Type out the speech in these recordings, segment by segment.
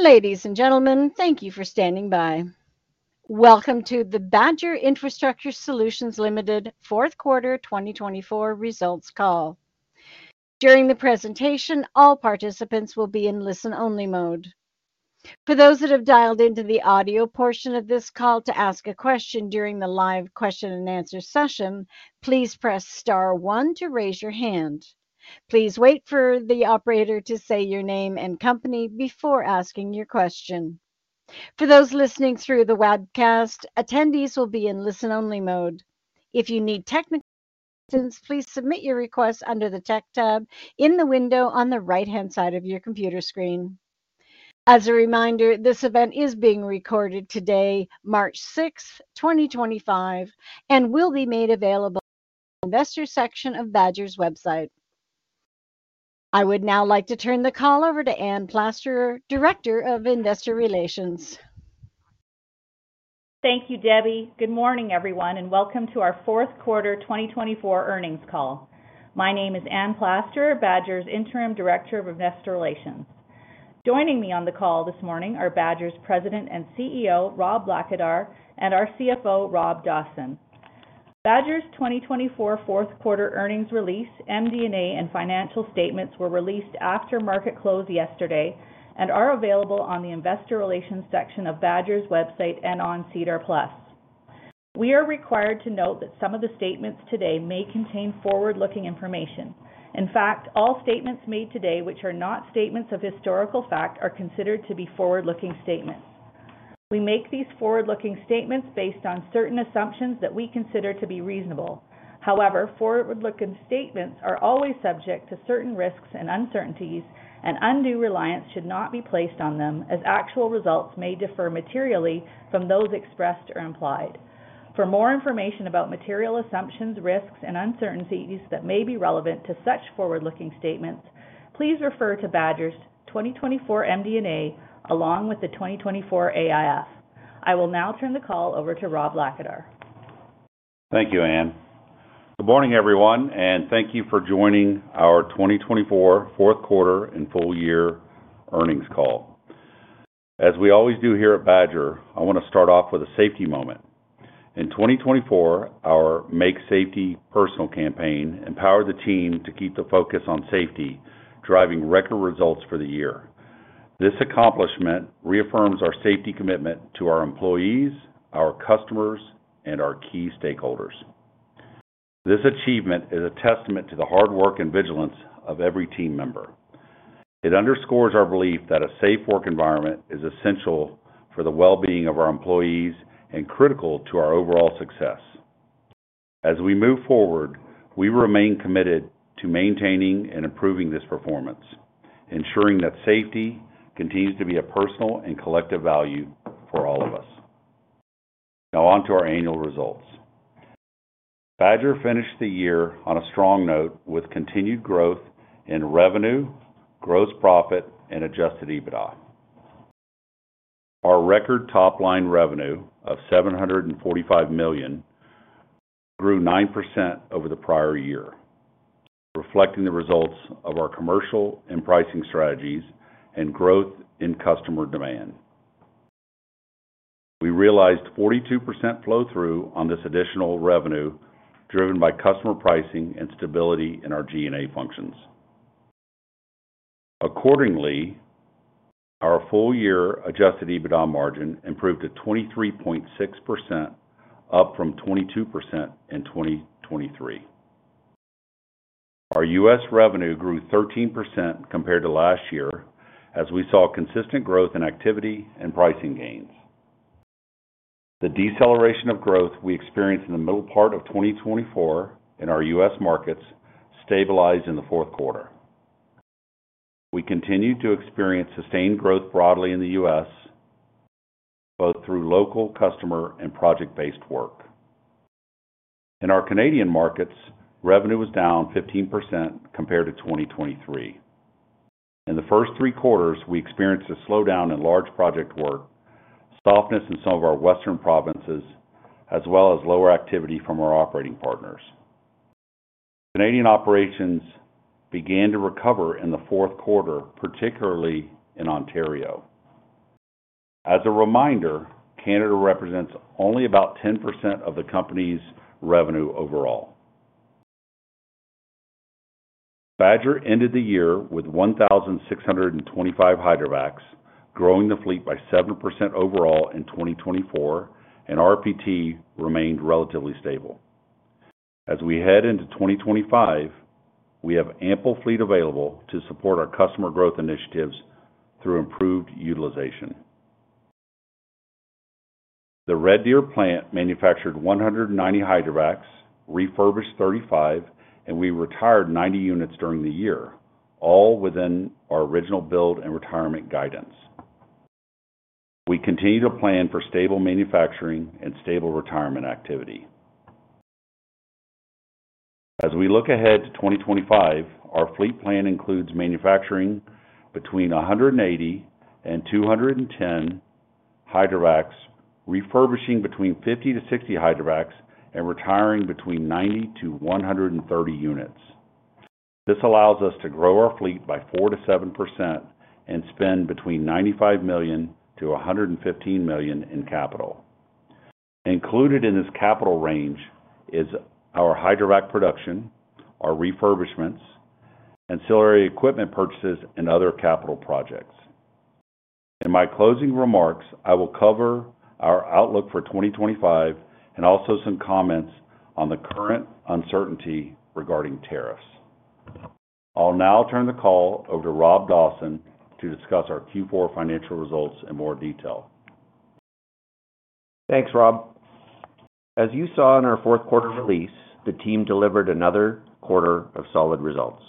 Ladies and gentlemen, thank you for standing by. Welcome to the Badger Infrastructure Solutions Fourth Quarter 2024 Results Call. During the presentation, all participants will be in listen-only mode. For those that have dialed into the audio portion of this call to ask a question during the live Q&A session, please press star one to raise your hand. Please wait for the operator to say your name and company before asking your question. For those listening through the webcast, attendees will be in listen-only mode. If you need technical assistance, please submit your request under the tech tab in the window on the right-hand side of your computer screen. As a reminder, this event is being recorded today, March 6th, 2025, and will be made available in the investor section of Badger's website. I would now like to turn the call over to Anne Plasterer, Director of Investor Relations. Thank you, Debbie. Good morning, everyone, and welcome to our Fourth Quarter 2024 Earnings Call. My name is Anne Plasterer, Badger's Interim Director of Investor Relations. Joining me on the call this morning are Badger's President and CEO, Rob Blackadar, and our CFO, Rob Dawson. Badger's 2024 Fourth Quarter earnings release, MD&A, and financial statements were released after market close yesterday and are available on the Investor Relations section of Badger's website and on SEDAR+. We are required to note that some of the statements today may contain forward-looking information. In fact, all statements made today which are not statements of historical fact are considered to be forward-looking statements. We make these forward-looking statements based on certain assumptions that we consider to be reasonable. However, forward-looking statements are always subject to certain risks and uncertainties, and undue reliance should not be placed on them, as actual results may differ materially from those expressed or implied. For more information about material assumptions, risks, and uncertainties that may be relevant to such forward-looking statements, please refer to Badger's 2024 MD&A along with the 2024 AIF. I will now turn the call over to Rob Blackadar. Thank you, Anne. Good morning, everyone, and thank you for joining our 2024 Fourth Quarter and Full-Year Earnings Call. As we always do here at Badger, I want to start off with a safety moment. In 2024, our Make Safety Personal campaign empowered the team to keep the focus on safety, driving record results for the year. This accomplishment reaffirms our safety commitment to our employees, our customers, and our key stakeholders. This achievement is a testament to the hard work and vigilance of every team member. It underscores our belief that a safe work environment is essential for the well-being of our employees and critical to our overall success. As we move forward, we remain committed to maintaining and improving this performance, ensuring that safety continues to be a personal and collective value for all of us. Now, on to our annual results. Badger finished the year on a strong note with continued growth in revenue, gross profit, and adjusted EBITDA. Our record top-line revenue of $745 million grew 9% over the prior year, reflecting the results of our commercial and pricing strategies and growth in customer demand. We realized 42% flow-through on this additional revenue driven by customer pricing and stability in our G&A functions. Accordingly, our full-year adjusted EBITDA margin improved to 23.6%, up from 22% in 2023. Our U.S. revenue grew 13% compared to last year, as we saw consistent growth in activity and pricing gains. The deceleration of growth we experienced in the middle part of 2024 in our U.S. markets stabilized in the fourth quarter. We continued to experience sustained growth broadly in the U.S., both through local customer and project-based work. In our Canadian markets, revenue was down 15% compared to 2023. In the first three quarters, we experienced a slowdown in large project work, softness in some of our western provinces, as well as lower activity from our operating partners. Canadian operations began to recover in the fourth quarter, particularly in Ontario. As a reminder, Canada represents only about 10% of the company's revenue overall. Badger ended the year with 1,625 hydrovacs, growing the fleet by 7% overall in 2024, and RPT remained relatively stable. As we head into 2025, we have ample fleet available to support our customer growth initiatives through improved utilization. The Red Deer plant manufactured 190 hydrovacs, refurbished 35, and we retired 90 units during the year, all within our original build and retirement guidance. We continue to plan for stable manufacturing and stable retirement activity. As we look ahead to 2025, our fleet plan includes manufacturing between 180 and 210 hydrovacs, refurbishing between 50 and 60 hydrovacs, and retiring between 90 and 130 units. This allows us to grow our fleet by 4%-7% and spend between $95 million-$115 million in capital. Included in this capital range is our hydrovac production, our refurbishments, ancillary equipment purchases, and other capital projects. In my closing remarks, I will cover our outlook for 2025 and also some comments on the current uncertainty regarding tariffs. I'll now turn the call over to Rob Dawson to discuss our Q4 financial results in more detail. Thanks, Rob. As you saw in our fourth quarter release, the team delivered another quarter of solid results.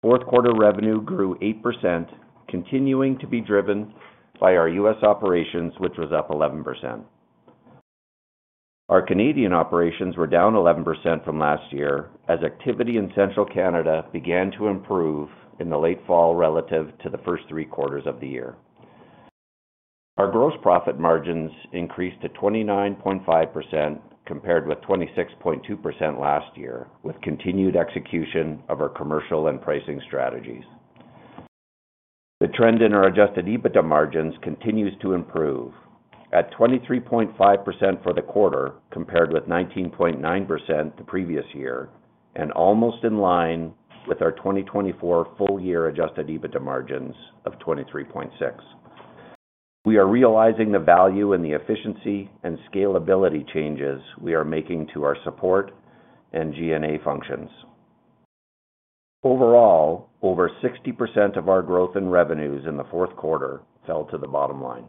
Fourth quarter revenue grew 8%, continuing to be driven by our U.S. operations, which was up 11%. Our Canadian operations were down 11% from last year as activity in central Canada began to improve in the late fall relative to the first three quarters of the year. Our gross profit margins increased to 29.5% compared with 26.2% last year, with continued execution of our commercial and pricing strategies. The trend in our adjusted EBITDA margins continues to improve, at 23.5% for the quarter compared with 19.9% the previous year, and almost in line with our 2024 full-year adjusted EBITDA margins of 23.6%. We are realizing the value in the efficiency and scalability changes we are making to our support and G&A functions. Overall, over 60% of our growth in revenues in the fourth quarter fell to the bottom line.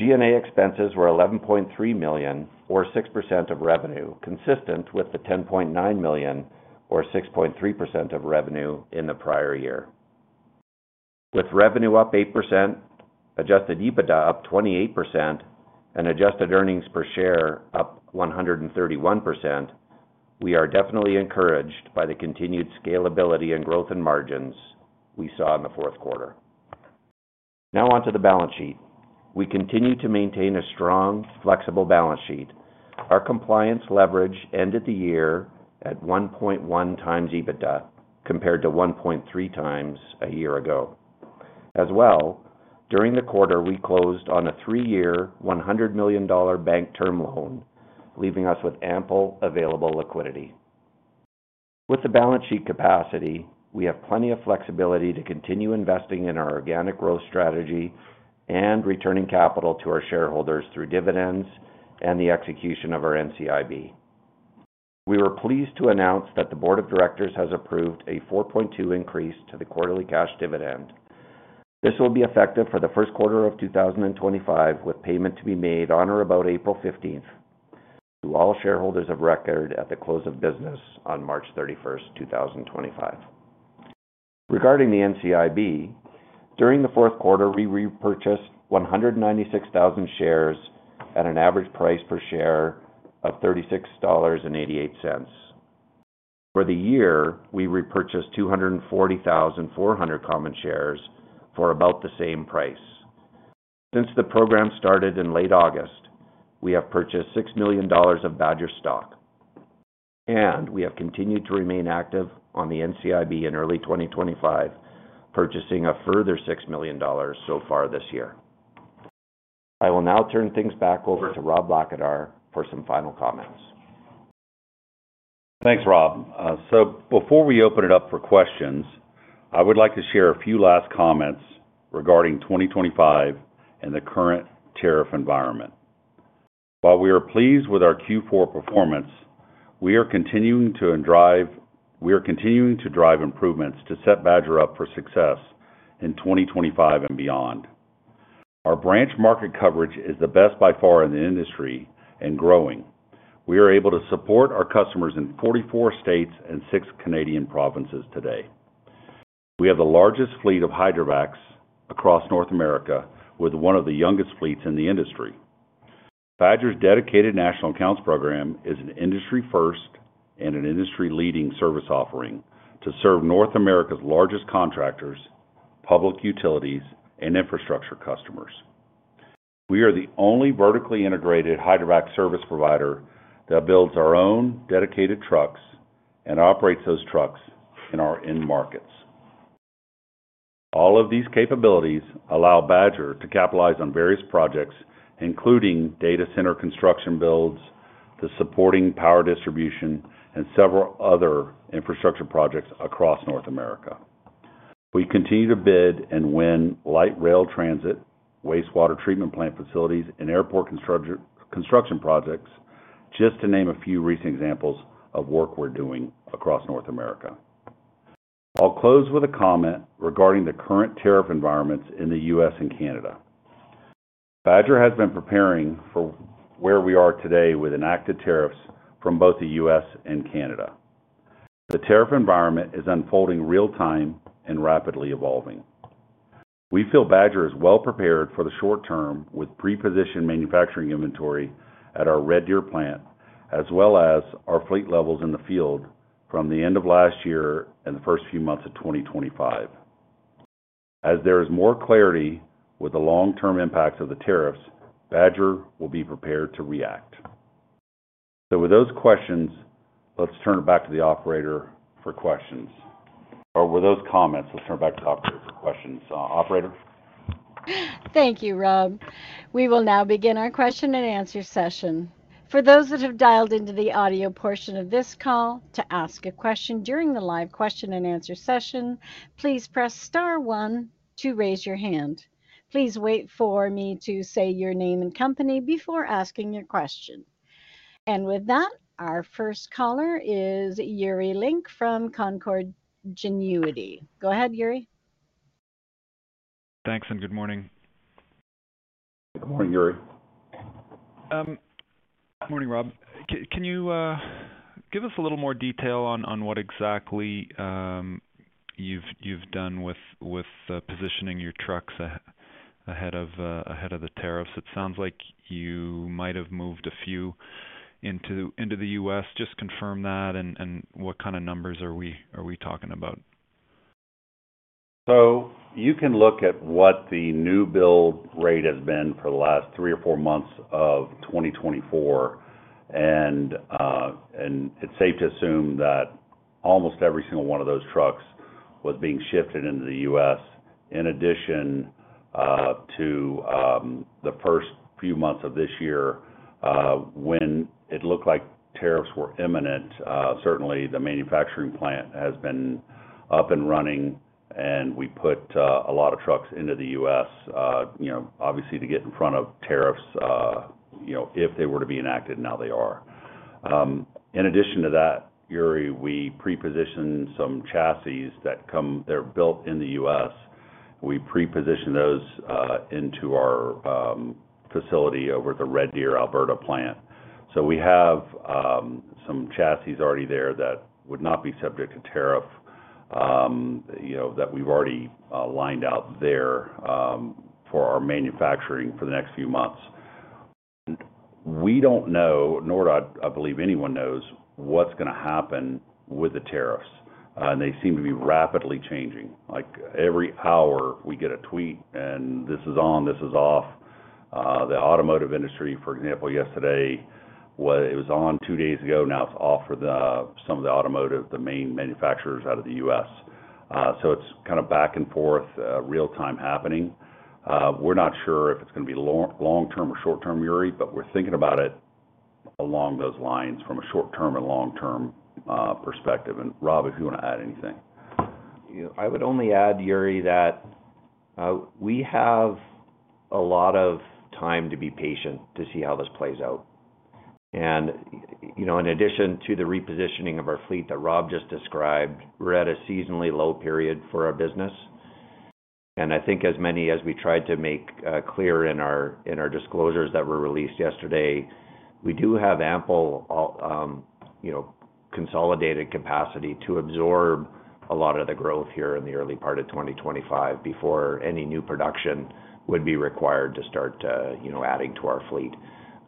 G&A expenses were $11.3 million, or 6% of revenue, consistent with the $10.9 million, or 6.3% of revenue in the prior year. With revenue up 8%, adjusted EBITDA up 28%, and adjusted earnings per share up 131%, we are definitely encouraged by the continued scalability and growth in margins we saw in the fourth quarter. Now, on to the balance sheet. We continue to maintain a strong, flexible balance sheet. Our compliance leverage ended the year at 1.1x EBITDA compared to 1.3x a year ago. As well, during the quarter, we closed on a three-year $100 million bank term loan, leaving us with ample available liquidity. With the balance sheet capacity, we have plenty of flexibility to continue investing in our organic growth strategy and returning capital to our shareholders through dividends and the execution of our NCIB. We were pleased to announce that the Board of Directors has approved a 4.2% increase to the quarterly cash dividend. This will be effective for the first quarter of 2025, with payment to be made on or about April 15th to all shareholders of record at the close of business on March 31st, 2025. Regarding the NCIB, during the fourth quarter, we repurchased 196,000 shares at an average price per share of $36.88. For the year, we repurchased 240,400 common shares for about the same price. Since the program started in late August, we have purchased $6 million of Badger stock, and we have continued to remain active on the NCIB in early 2024, purchasing a further $6 million so far this year. I will now turn things back over to Rob Blackadar for some final comments. Thanks, Rob. Before we open it up for questions, I would like to share a few last comments regarding 2025 and the current tariff environment. While we are pleased with our Q4 performance, we are continuing to drive improvements to set Badger up for success in 2025 and beyond. Our branch market coverage is the best by far in the industry and growing. We are able to support our customers in 44 states and six Canadian provinces today. We have the largest fleet of hydrovacs across North America, with one of the youngest fleets in the industry. Badger's dedicated National Accounts Program is an industry-first and an industry-leading service offering to serve North America's largest contractors, public utilities, and infrastructure customers. We are the only vertically integrated hydrovac service provider that builds our own dedicated trucks and operates those trucks in our end markets. All of these capabilities allow Badger to capitalize on various projects, including data center construction builds, the supporting power distribution, and several other infrastructure projects across North America. We continue to bid and win light rail transit, wastewater treatment plant facilities, and airport construction projects, just to name a few recent examples of work we're doing across North America. I'll close with a comment regarding the current tariff environments in the U.S. and Canada. Badger has been preparing for where we are today with enacted tariffs from both the U.S. and Canada. The tariff environment is unfolding real-time and rapidly evolving. We feel Badger is well prepared for the short term with pre-positioned manufacturing inventory at our Red Deer plant, as well as our fleet levels in the field from the end of last year and the first few months of 2025. As there is more clarity with the long-term impacts of the tariffs, Badger will be prepared to react. With those comments, let's turn it back to the operator for questions. Operator? Thank you, Rob. We will now begin our Q&Asession. For those that have dialed into the audio portion of this call to ask a question during the live Q&A session, please press star one to raise your hand. Please wait for me to say your name and company before asking your question. With that, our first caller is Yuri Lynk from Canaccord Genuity. Go ahead, Yuri. Thanks, and good morning. Good morning, Yuri. Good morning, Rob. Can you give us a little more detail on what exactly you've done with positioning your trucks ahead of the tariffs? It sounds like you might have moved a few into the U.S. Just confirm that, and what kind of numbers are we talking about? You can look at what the new build rate has been for the last three or four months of 2024, and it's safe to assume that almost every single one of those trucks was being shifted into the U.S. In addition to the first few months of this year, when it looked like tariffs were imminent, certainly the manufacturing plant has been up and running, and we put a lot of trucks into the U.S., obviously, to get in front of tariffs if they were to be enacted, and now they are. In addition to that, Yuri, we pre-positioned some chassis that come that are built in the U.S. We pre-positioned those into our facility over at the Red Deer, Alberta plant. We have some chassis already there that would not be subject to tariff that we've already lined out there for our manufacturing for the next few months. We don't know, nor do I believe anyone knows, what's going to happen with the tariffs, and they seem to be rapidly changing. Every hour, we get a tweet, and this is on, this is off. The automotive industry, for example, yesterday, it was on two days ago, now it's off for some of the automotive, the main manufacturers out of the U.S.. It's kind of back and forth, real-time happening. We're not sure if it's going to be long-term or short-term, Yuri, but we're thinking about it along those lines from a short-term and long-term perspective. Rob, if you want to add anything. I would only add, Yuri, that we have a lot of time to be patient to see how this plays out. In addition to the repositioning of our fleet that Rob just described, we are at a seasonally low period for our business. I think, as we tried to make clear in our disclosures that were released yesterday, we do have ample consolidated capacity to absorb a lot of the growth here in the early part of 2025 before any new production would be required to start adding to our fleet.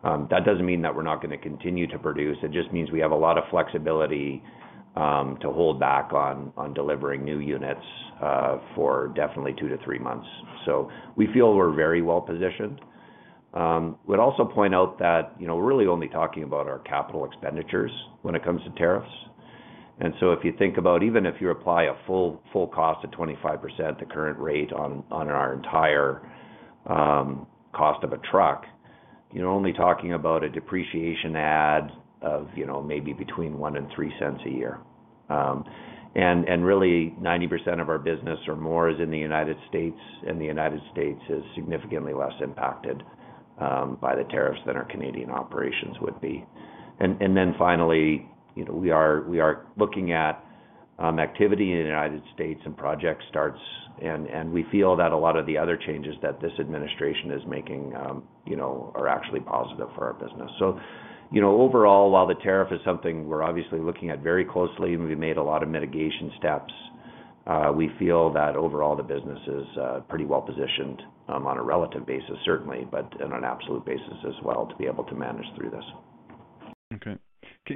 That does not mean that we are not going to continue to produce. It just means we have a lot of flexibility to hold back on delivering new units for definitely two to three months. We feel we are very well positioned. We'd also point out that we're really only talking about our capital expenditures when it comes to tariffs. If you think about, even if you apply a full cost at 25%, the current rate on our entire cost of a truck, you're only talking about a depreciation add of maybe between $0.01 and $0.03 a year. Really, 90% of our business or more is in the United States, and the United States is significantly less impacted by the tariffs than our Canadian operations would be. Finally, we are looking at activity in the United States and project starts, and we feel that a lot of the other changes that this administration is making are actually positive for our business. Overall, while the tariff is something we're obviously looking at very closely, and we've made a lot of mitigation steps, we feel that overall the business is pretty well positioned on a relative basis, certainly, but on an absolute basis as well to be able to manage through this. Okay.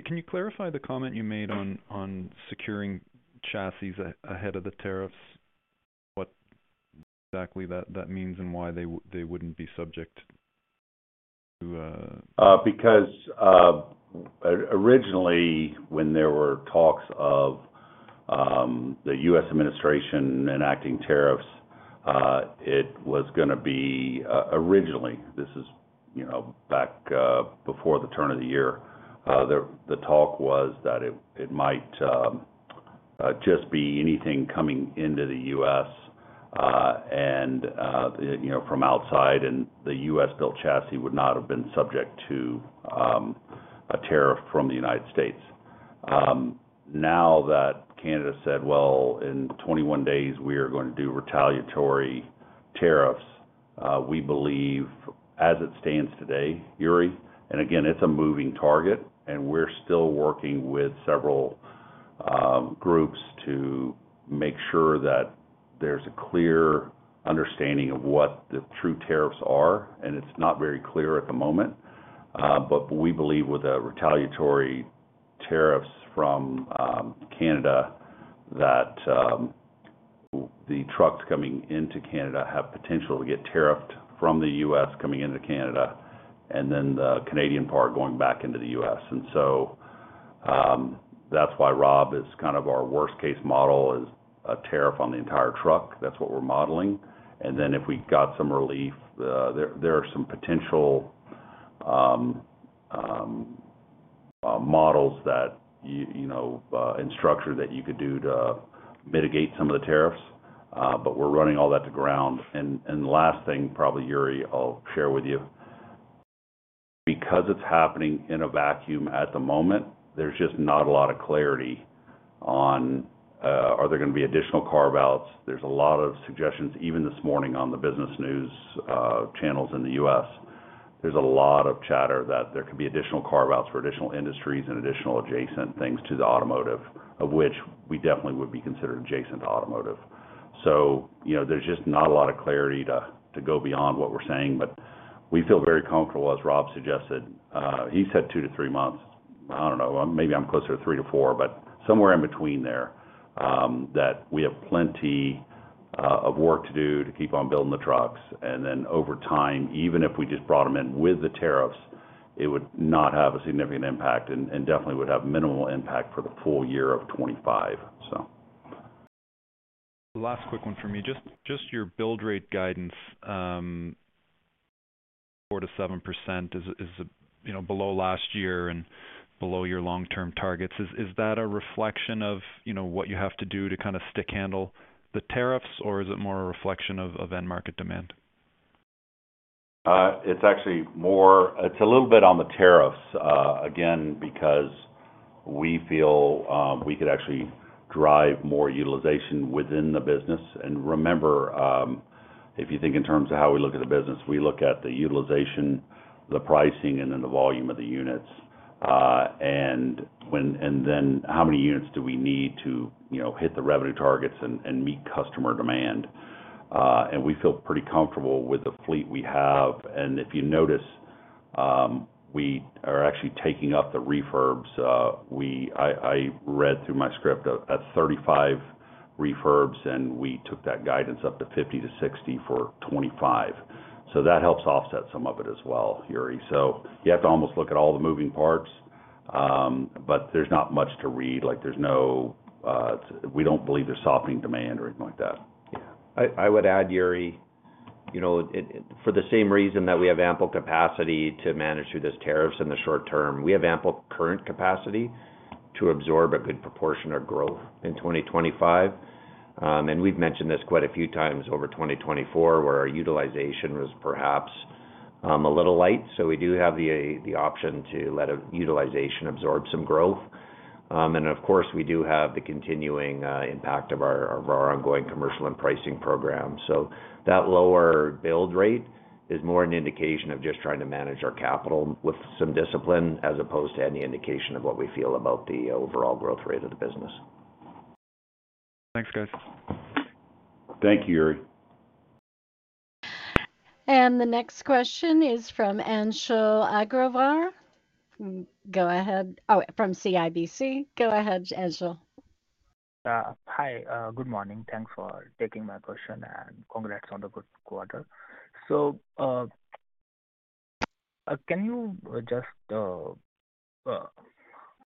Can you clarify the comment you made on securing chassis ahead of the tariffs? What exactly that means and why they wouldn't be subject to. Because originally, when there were talks of the U.S. administration enacting tariffs, it was going to be originally, this is back before the turn of the year, the talk was that it might just be anything coming into the U.S. and from outside, and the U.S.-built chassis would not have been subject to a tariff from the United States. Now that Canada said, "In 21 days, we are going to do retaliatory tariffs," we believe, as it stands today, Yuri, and again, it's a moving target, and we're still working with several groups to make sure that there's a clear understanding of what the true tariffs are, and it's not very clear at the moment. We believe with the retaliatory tariffs from Canada that the trucks coming into Canada have potential to get tariffed from the U.S. Coming into Canada, and then the Canadian part going back into the U.S. That is why, Rob, our worst-case model is a tariff on the entire truck. That is what we are modeling. If we got some relief, there are some potential models and structure that you could do to mitigate some of the tariffs, but we are running all that to ground. The last thing, probably, Yuri, I will share with you. Because it is happening in a vacuum at the moment, there is just not a lot of clarity on whether there are going to be additional carve-outs. There are a lot of suggestions, even this morning on the business news channels in the U.S. There is a lot of chatter that there could be additional carve-outs for additional industries and additional adjacent things to the automotive, of which we definitely would be considered adjacent to automotive. There is just not a lot of clarity to go beyond what we are saying, but we feel very comfortable, as Rob suggested. He said two to three months. I do not know. Maybe I am closer to three to four, but somewhere in between there that we have plenty of work to do to keep on building the trucks. Then over time, even if we just brought them in with the tariffs, it would not have a significant impact and definitely would have minimal impact for the full year of 2025. Last quick one from me. Just your build rate guidance, 4%-7% is below last year and below your long-term targets. Is that a reflection of what you have to do to kind of stickhandle the tariffs, or is it more a reflection of end-market demand? It's actually more, it's a little bit on the tariffs, again, because we feel we could actually drive more utilization within the business. Remember, if you think in terms of how we look at the business, we look at the utilization, the pricing, and then the volume of the units. Then how many units do we need to hit the revenue targets and meet customer demand? We feel pretty comfortable with the fleet we have. If you notice, we are actually taking up the refurbs. I read through my script of 35 refurbs, and we took that guidance up to 50-60 for 2025. That helps offset some of it as well, Yuri. You have to almost look at all the moving parts, but there's not much to read. We don't believe there's softening demand or anything like that. Yeah. I would add, Yuri, for the same reason that we have ample capacity to manage through those tariffs in the short term, we have ample current capacity to absorb a good proportion of growth in 2025. We have mentioned this quite a few times over 2024, where our utilization was perhaps a little light. We do have the option to let utilization absorb some growth. Of course, we do have the continuing impact of our ongoing commercial and pricing program. That lower build rate is more an indication of just trying to manage our capital with some discipline as opposed to any indication of what we feel about the overall growth rate of the business. Thanks, guys. Thank you, Yuri. The next question is from Anshul Agrawal from CIBC. Go ahead, Anshul. Hi. Good morning. Thanks for taking my question and congrats on the good quarter. Can you just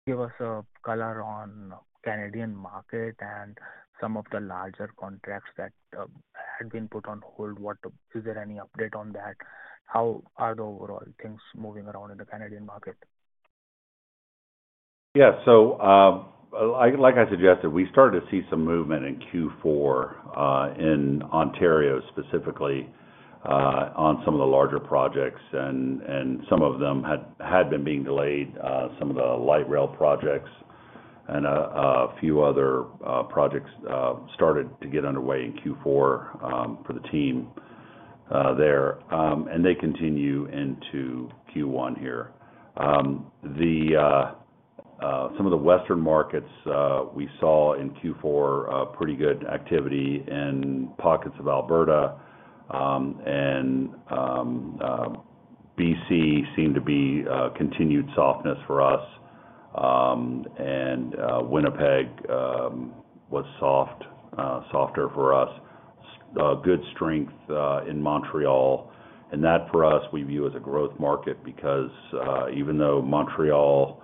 give us a color on the Canadian market and some of the larger contracts that had been put on hold? Is there any update on that? How are the overall things moving around in the Canadian market? Yeah. Like I suggested, we started to see some movement in Q4 in Ontario, specifically on some of the larger projects, and some of them had been being delayed, some of the light rail projects, and a few other projects started to get underway in Q4 for the team there. They continue into Q1 here. Some of the Western markets we saw in Q4 pretty good activity in pockets of Alberta and BC seemed to be continued softness for us. Winnipeg was softer for us. Good strength in Montreal. That, for us, we view as a growth market because even though Montreal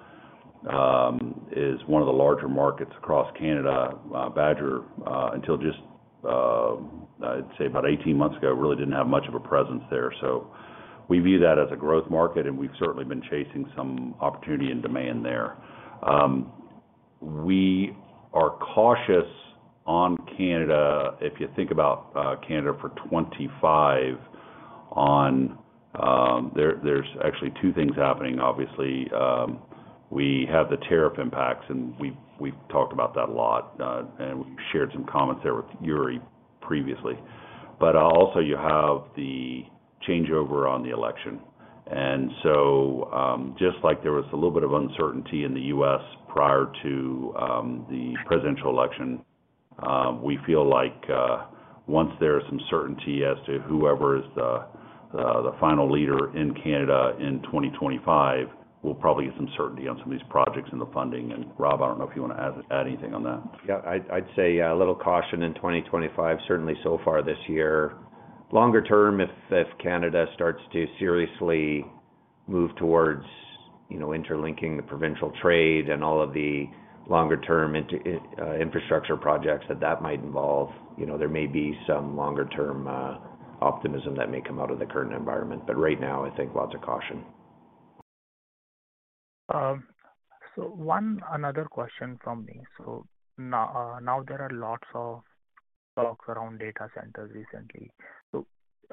is one of the larger markets across Canada, Badger, until just, I'd say, about 18 months ago, really did not have much of a presence there. We view that as a growth market, and we have certainly been chasing some opportunity and demand there. We are cautious on Canada. If you think about Canada for 2025, there's actually two things happening, obviously. We have the tariff impacts, and we've talked about that a lot, and we've shared some comments there with Yuri previously. Also, you have the changeover on the election. Just like there was a little bit of uncertainty in the U.S. prior to the presidential election, we feel like once there is some certainty as to whoever is the final leader in Canada in 2025, we'll probably get some certainty on some of these projects and the funding. Rob, I don't know if you want to add anything on that. Yeah. I'd say a little caution in 2025, certainly so far this year. Longer term, if Canada starts to seriously move towards interlinking the provincial trade and all of the longer-term infrastructure projects that that might involve, there may be some longer-term optimism that may come out of the current environment. Right now, I think lots of caution. Another question from me. Now there are lots of talks around data centers recently.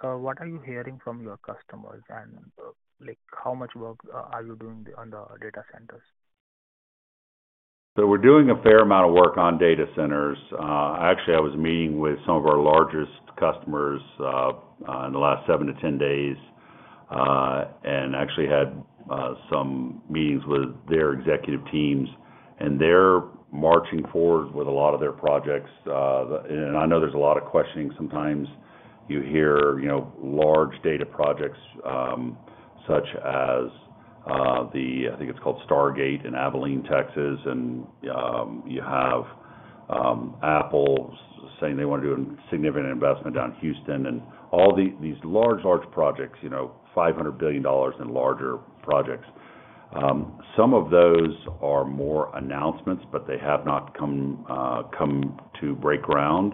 What are you hearing from your customers, and how much work are you doing on the data centers? We're doing a fair amount of work on data centers. Actually, I was meeting with some of our largest customers in the last seven to ten days and actually had some meetings with their executive teams. They're marching forward with a lot of their projects. I know there's a lot of questioning. Sometimes you hear large data projects such as the, I think it's called Stargate in Abilene, Texas, and you have Apple saying they want to do a significant investment down in Houston. All these large, large projects, $500 billion and larger projects. Some of those are more announcements, but they have not come to break ground.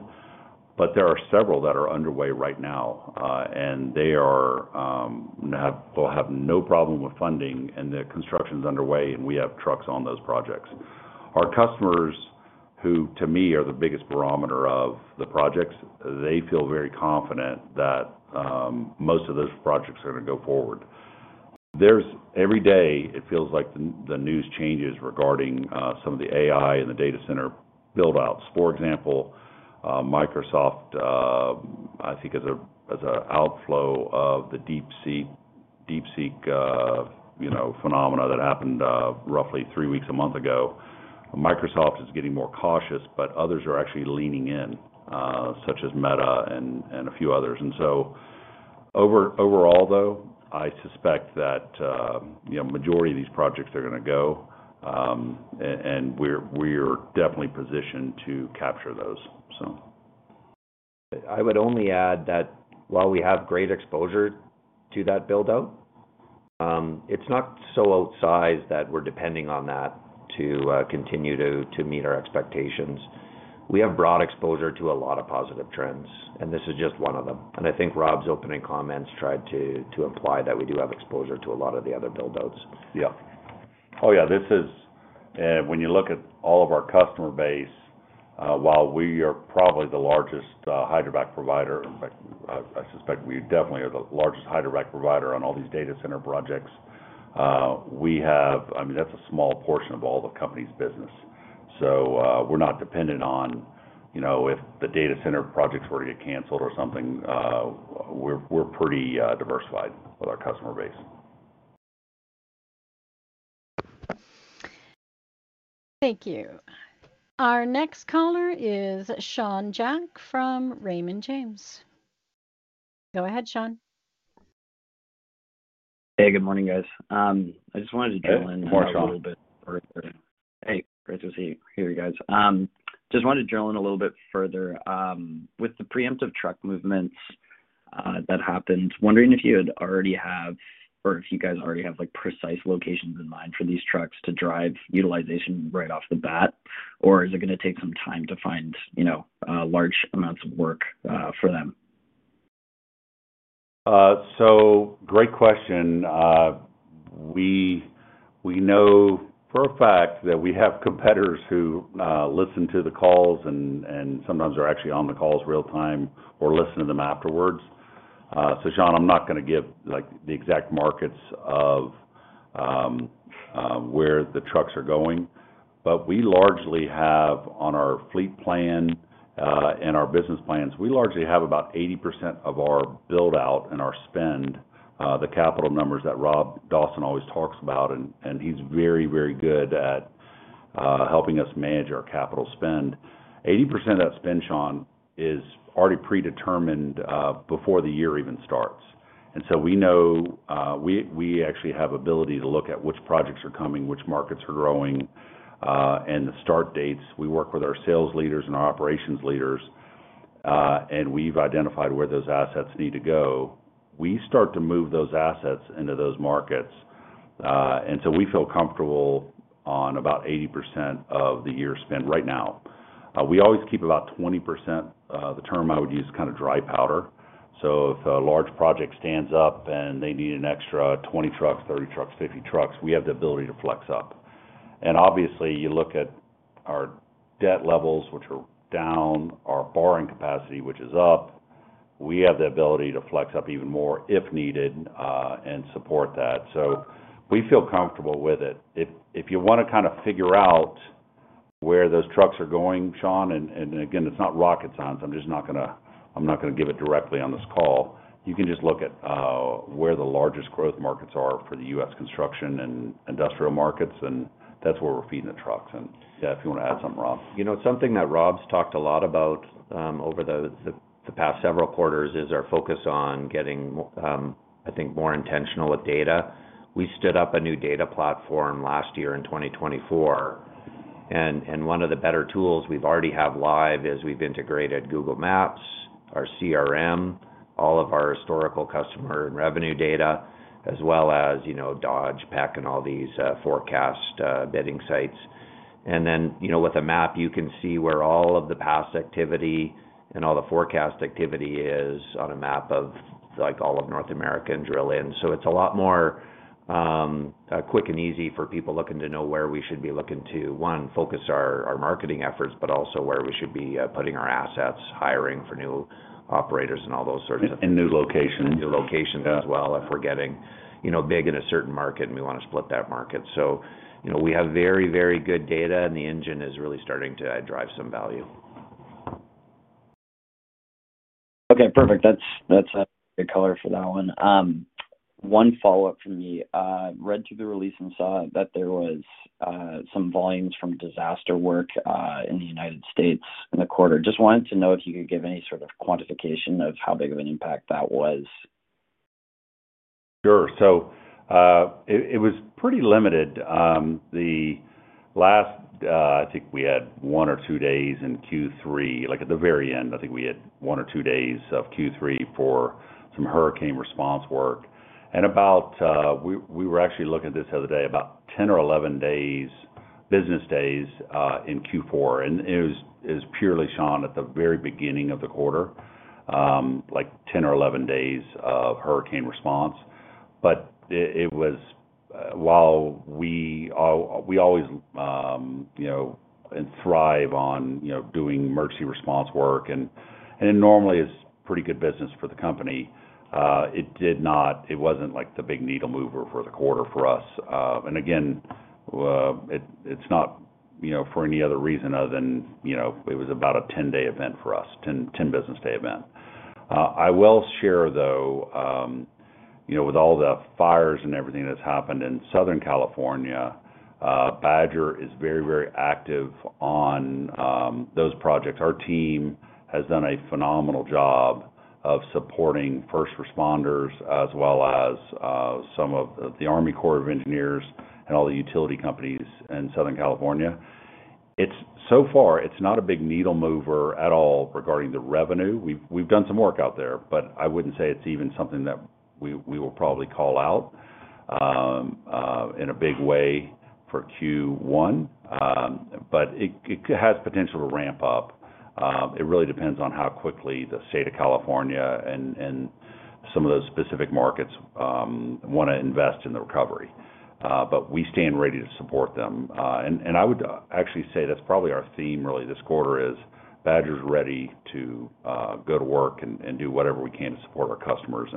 There are several that are underway right now, and they will have no problem with funding, and the construction's underway, and we have trucks on those projects. Our customers, who to me are the biggest barometer of the projects, they feel very confident that most of those projects are going to go forward. Every day, it feels like the news changes regarding some of the AI and the data center buildouts. For example, Microsoft, I think as an outflow of the DeepSeek phenomena that happened roughly three weeks a month ago, Microsoft is getting more cautious, but others are actually leaning in, such as Meta and a few others. Overall, though, I suspect that the majority of these projects are going to go, and we're definitely positioned to capture those, so. I would only add that while we have great exposure to that buildout, it's not so outsized that we're depending on that to continue to meet our expectations. We have broad exposure to a lot of positive trends, and this is just one of them. I think Rob's opening comments tried to imply that we do have exposure to a lot of the other buildouts. Yeah. Oh, yeah. When you look at all of our customer base, while we are probably the largest hydrovac provider, I suspect we definitely are the largest hydrovac provider on all these data center projects. I mean, that's a small portion of all the company's business. We are not dependent on if the data center projects were to get canceled or something. We are pretty diversified with our customer base. Thank you. Our next caller is Sean Jack from Raymond James. Go ahead, Sean. Hey, good morning, guys. I just wanted to drill in. Hey, great to see you here, guys. Just wanted to drill in a little bit further. With the preemptive truck movements that happened, wondering if you already have or if you guys already have precise locations in mind for these trucks to drive utilization right off the bat, or is it going to take some time to find large amounts of work for them? Great question. We know for a fact that we have competitors who listen to the calls and sometimes are actually on the calls real-time or listen to them afterwards. Sean, I'm not going to give the exact markets of where the trucks are going. We largely have on our fleet plan and our business plans, we largely have about 80% of our buildout and our spend, the capital numbers that Rob Dawson always talks about, and he's very, very good at helping us manage our capital spend. 80% of that spend, Sean, is already predetermined before the year even starts. We know we actually have ability to look at which projects are coming, which markets are growing, and the start dates. We work with our sales leaders and our operations leaders, and we've identified where those assets need to go. We start to move those assets into those markets, and we feel comfortable on about 80% of the year's spend right now. We always keep about 20%, the term I would use is kind of dry powder. If a large project stands up and they need an extra 20 trucks, 30 trucks, 50 trucks, we have the ability to flex up. Obviously, you look at our debt levels, which are down, our borrowing capacity, which is up. We have the ability to flex up even more if needed and support that. We feel comfortable with it. If you want to kind of figure out where those trucks are going, Sean, and again, it's not rocket science. I'm just not going to give it directly on this call. You can just look at where the largest growth markets are for the U.S. construction and industrial markets, and that's where we're feeding the trucks. Yeah, if you want to add something, Rob. Something that Rob's talked a lot about over the past several quarters is our focus on getting, I think, more intentional with data. We stood up a new data platform last year in 2024. One of the better tools we already have live is we've integrated Google Maps, our CRM, all of our historical customer revenue data, as well as Dodge, Pack, and all these forecast bidding sites. With a map, you can see where all of the past activity and all the forecast activity is on a map of all of North America and drill in. It is a lot more quick and easy for people looking to know where we should be looking to, one, focus our marketing efforts, but also where we should be putting our assets, hiring for new operators and all those sorts of. New locations. New locations as well if we're getting big in a certain market and we want to split that market. We have very, very good data, and the engine is really starting to drive some value. Okay. Perfect. That's a good color for that one. One follow-up from me. Read through the release and saw that there was some volumes from disaster work in the United States in the quarter. Just wanted to know if you could give any sort of quantification of how big of an impact that was. Sure. It was pretty limited. I think we had one or two days in Q3. At the very end, I think we had one or two days of Q3 for some hurricane response work. We were actually looking at this the other day, about 10 or 11 business days in Q4. It was purely, Sean, at the very beginning of the quarter, like 10 or 11 days of hurricane response. While we always thrive on doing emergency response work and it normally is pretty good business for the company, it was not the big needle-mover for the quarter for us. It is not for any other reason other than it was about a 10-day event for us, 10 business-day event. I will share, though, with all the fires and everything that has happened in Southern California, Badger is very, very active on those projects. Our team has done a phenomenal job of supporting first responders as well as some of the Army Corps of Engineers and all the utility companies in Southern California. So far, it's not a big needle-mover at all regarding the revenue. We've done some work out there, but I wouldn't say it's even something that we will probably call out in a big way for Q1. It has potential to ramp up. It really depends on how quickly the state of California and some of those specific markets want to invest in the recovery. We stand ready to support them. I would actually say that's probably our theme really this quarter is Badger's ready to go to work and do whatever we can to support our customers.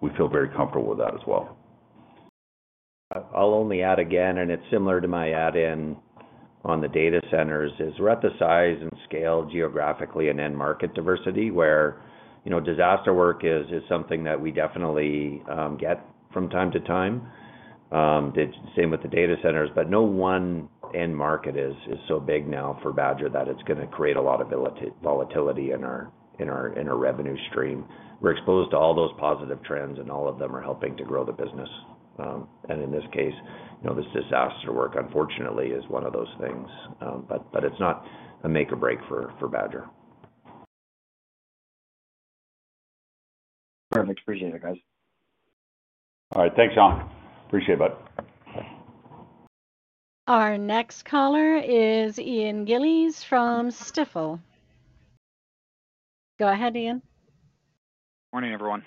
We feel very comfortable with that as well. I'll only add again, and it's similar to my add-in on the data centers, is we're at the size and scale geographically and end market diversity where disaster work is something that we definitely get from time to time. Same with the data centers. No one end market is so big now for Badger that it's going to create a lot of volatility in our revenue stream. We're exposed to all those positive trends, and all of them are helping to grow the business. In this case, this disaster work, unfortunately, is one of those things. It's not a make-or-break for Badger. Perfect. Appreciate it, guys. All right. Thanks, Sean. Appreciate it, bud. Our next caller is Ian Gillies from Stifel. Go ahead, Ian. Morning, everyone.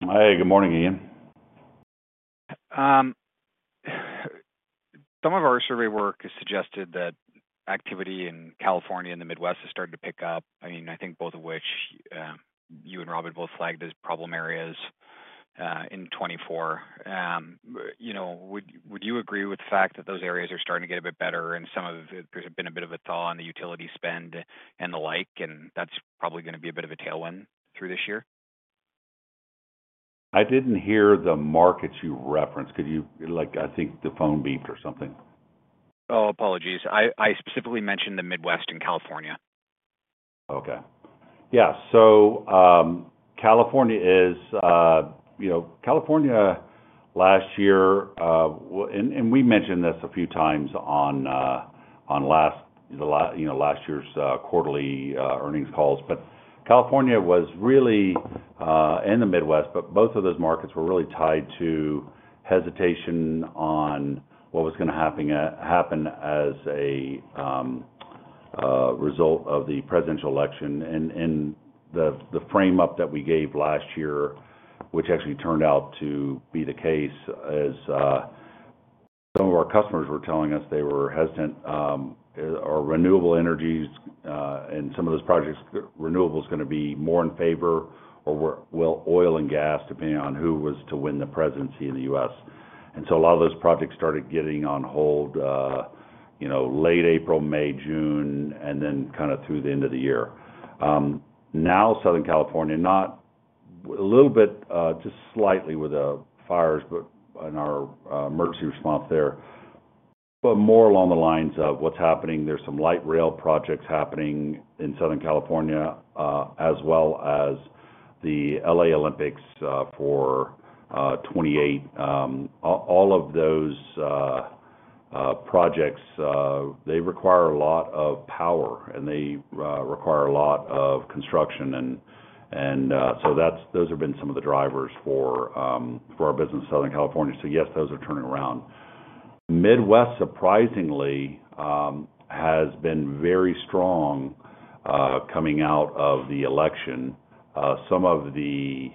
Hey, good morning, Ian. Some of our survey work has suggested that activity in California and the Midwest is starting to pick up. I mean, I think both of which you and Rob had both flagged as problem areas in 2024. Would you agree with the fact that those areas are starting to get a bit better and there's been a bit of a thaw in the utility spend and the like, and that's probably going to be a bit of a tailwind through this year? I didn't hear the markets you referenced. I think the phone beeped or something. Oh, apologies. I specifically mentioned the Midwest and California. Okay. Yeah. California is California last year, and we mentioned this a few times on last year's quarterly earnings calls. California was really and the Midwest, but both of those markets were really tied to hesitation on what was going to happen as a result of the presidential election. The frame-up that we gave last year, which actually turned out to be the case, as some of our customers were telling us, they were hesitant. Renewable energy and some of those projects, renewable is going to be more in favor or oil and gas, depending on who was to win the presidency in the U.S. A lot of those projects started getting on hold late April, May, June, and then kind of through the end of the year. Now, Southern California, a little bit, just slightly with the fires in our emergency response there, but more along the lines of what's happening. There's some light rail projects happening in Southern California as well as the L.A. Olympics for 2028. All of those projects, they require a lot of power, and they require a lot of construction. Those have been some of the drivers for our business in Southern California. Yes, those are turning around. Midwest, surprisingly, has been very strong coming out of the election. Some of the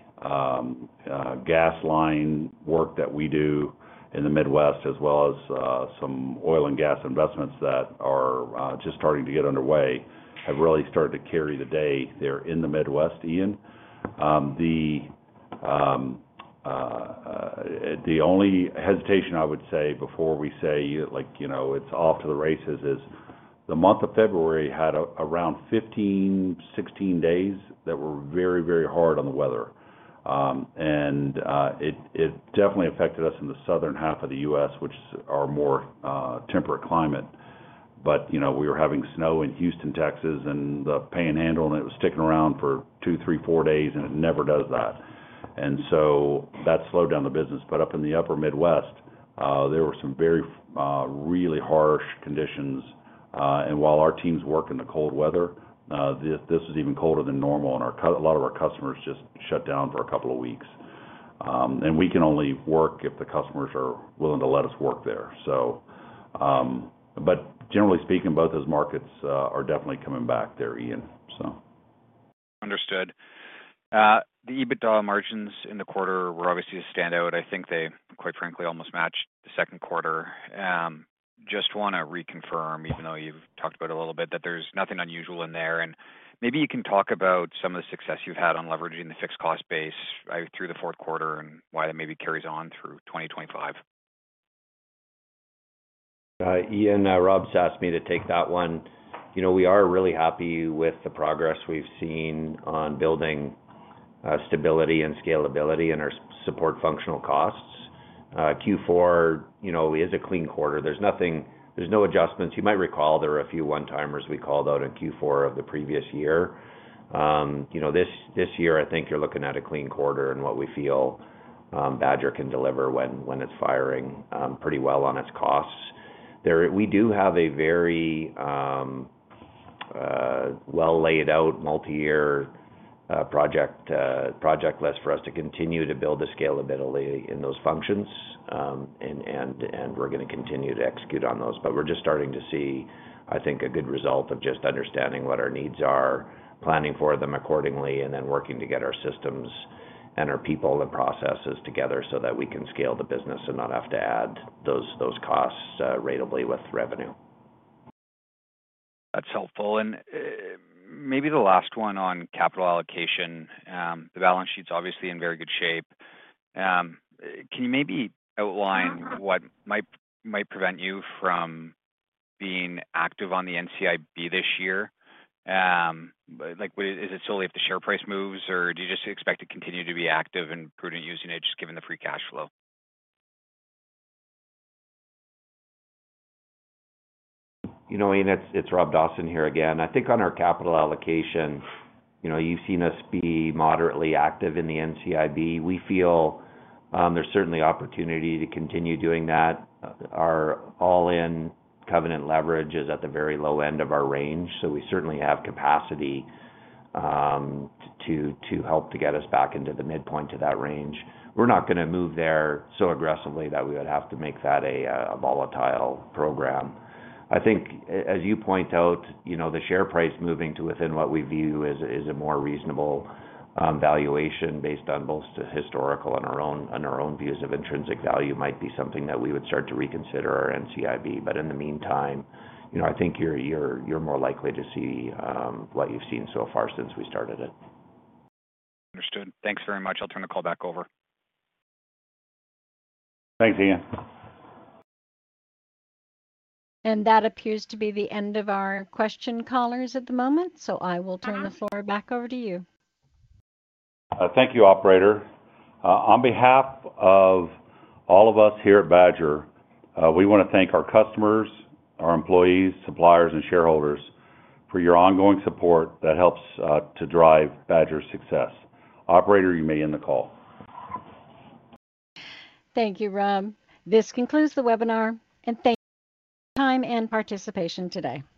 gas line work that we do in the Midwest, as well as some oil and gas investments that are just starting to get underway, have really started to carry the day there in the Midwest, Ian. The only hesitation, I would say, before we say it's off to the races is the month of February had around 15-16 days that were very, very hard on the weather. It definitely affected us in the southern half of the U.S., which is our more temperate climate. We were having snow in Houston, Texas, and the panhandle, and it was sticking around for two, three, four days, and it never does that. That slowed down the business. Up in the upper Midwest, there were some really harsh conditions. While our teams work in the cold weather, this was even colder than normal, and a lot of our customers just shut down for a couple of weeks. We can only work if the customers are willing to let us work there. Generally speaking, both those markets are definitely coming back there, Ian, so. Understood. The EBITDA margins in the quarter were obviously a standout. I think they, quite frankly, almost matched the second quarter. I just want to reconfirm, even though you've talked about it a little bit, that there's nothing unusual in there. Maybe you can talk about some of the success you've had on leveraging the fixed cost base through the fourth quarter and why that maybe carries on through 2025. Ian, Rob just asked me to take that one. We are really happy with the progress we've seen on building stability and scalability and our support functional costs. Q4 is a clean quarter. There's no adjustments. You might recall there were a few one-timers we called out in Q4 of the previous year. This year, I think you're looking at a clean quarter in what we feel Badger can deliver when it's firing pretty well on its costs. We do have a very well-laid-out multi-year project list for us to continue to build the scalability in those functions. We are going to continue to execute on those. We're just starting to see, I think, a good result of just understanding what our needs are, planning for them accordingly, and then working to get our systems and our people and processes together so that we can scale the business and not have to add those costs ratably with revenue. That's helpful. Maybe the last one on capital allocation. The balance sheet's obviously in very good shape. Can you maybe outline what might prevent you from being active on the NCIB this year? Is it solely if the share price moves, or do you just expect to continue to be active and prudent using it just given the free cash flow? Ian, it's Rob Dawson here again. I think on our capital allocation, you've seen us be moderately active in the NCIB. We feel there's certainly opportunity to continue doing that. Our all-in covenant leverage is at the very low end of our range. We certainly have capacity to help to get us back into the midpoint to that range. We're not going to move there so aggressively that we would have to make that a volatile program. I think, as you point out, the share price moving to within what we view is a more reasonable valuation based on both historical and our own views of intrinsic value might be something that we would start to reconsider our NCIB. In the meantime, I think you're more likely to see what you've seen so far since we started it. Understood. Thanks very much. I'll turn the call back over. Thanks, Ian. That appears to be the end of our question callers at the moment. I will turn the floor back over to you. Thank you, Operator. On behalf of all of us here at Badger, we want to thank our customers, our employees, suppliers, and shareholders for your ongoing support that helps to drive Badger's success. Operator, you may end the call. Thank you, Rob. This concludes the webinar, and thank you for your time and participation today.